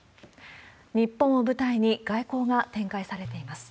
日本を舞台に外交が展開されています。